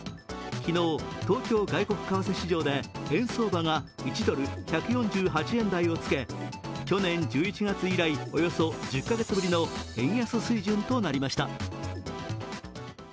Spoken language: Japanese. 昨日、東京外国為替市場で円相場が１ドル＝１４８円台をつけ去年１１月以来、およそ１０か月ぶりの円安水準となりました。